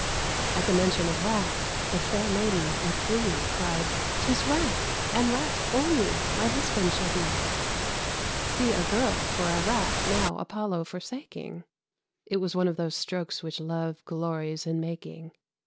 At the mention of Rat, the fair Maiden, with glee, Cried, "'Tis Rat, and Rat only, my husband shall be!" See a Girl for a Rat now Apollo forsaking! It was one of those strokes which Love glories in making.